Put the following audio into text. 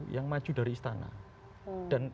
yang maju dari istana dan